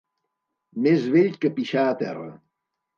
Més vell que pixar a terra.